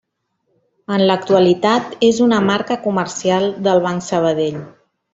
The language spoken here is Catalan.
En l'actualitat és una marca comercial del Banc Sabadell.